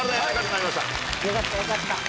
よかったよかった。